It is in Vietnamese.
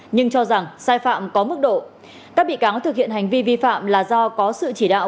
nhưng cho rằng sai phạm có mức độ các bị cáo thực hiện hành vi vi phạm là do có sự chỉ đạo